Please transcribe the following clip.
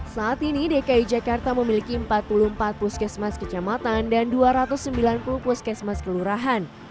saat ini dki jakarta memiliki empat puluh empat puskesmas kecamatan dan dua ratus sembilan puluh puskesmas kelurahan